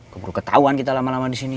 gue perlu ketahuan kita lama lama disini